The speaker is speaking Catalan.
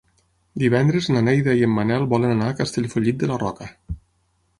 Divendres na Neida i en Manel volen anar a Castellfollit de la Roca.